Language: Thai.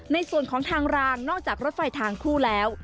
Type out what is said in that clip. ในส่วนของทางรางนอกจากรถไฟทางคู่แล้ว